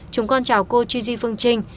chúng con chào cô chi di phương trinh